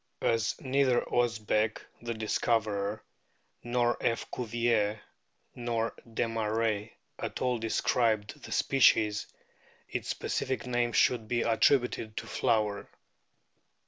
* As neither Osbeck, the discoverer, nor F. Cuvier, nor Desmarest at all described the species, its specific name should be attributed to Flower.